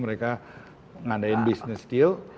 mereka ngadain business deal